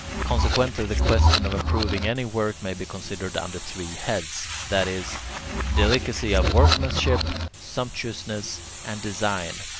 Consequently the question of approving any work may be considered under three heads: that is, delicacy of workmanship, sumptuousness, and design.